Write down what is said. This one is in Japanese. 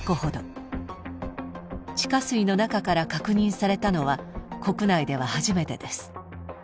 地下水の中から確認されたのは国内では初めてです。